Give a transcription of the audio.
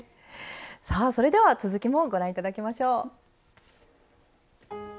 さあそれでは続きもご覧いただきましょう。